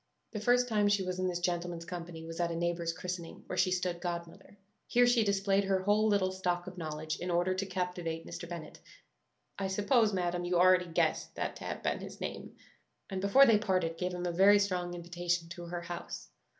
"The first time she was in this gentleman's company was at a neighbour's christening, where she stood godmother. Here she displayed her whole little stock of knowledge, in order to captivate Mr. Bennet (I suppose, madam, you already guess that to have been his name), and before they parted gave him a very strong invitation to her house.